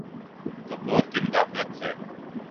تو فوج کی مداخلت سے۔